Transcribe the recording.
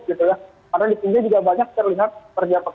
karena di sini juga banyak terlihat terjadinya kebakaran